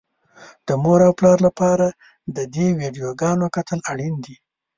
د مور او پلار لپاره د دې ويډيوګانو کتل اړين دي.